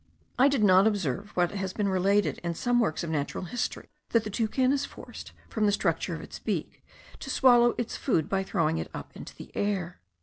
I did not observe what has been related in some works of natural history, that the toucan is forced, from the structure of its beak, to swallow its food by throwing it up into the air.